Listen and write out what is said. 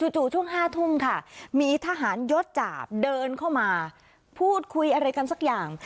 จู่ช่วง๕ทุ่มค่ะมีทหารยศจาบเดินเข้ามาพูดคุยอะไรกันสักอย่าง